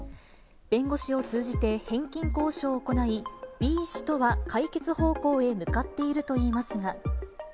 弁護士を通じて返金交渉を行い、Ｂ氏とは解決方向へ向かっているといいますが。